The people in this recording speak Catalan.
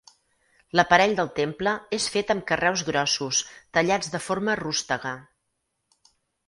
L'aparell del temple és fet amb carreus grossos tallats de forma rústega.